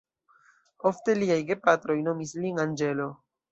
Ofte liaj gepatroj nomis lin anĝelo.